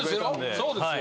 そうですよ